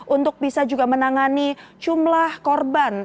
untuk bisa juga menangani jumlah korban